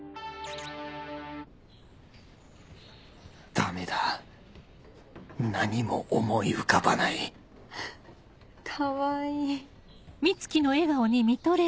ダメだ何も思い浮かばないかわいい。